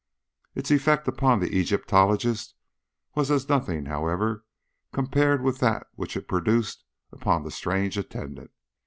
Its effect upon the Egyptologist was as nothing, however, compared with that which it produced upon the strange attendant.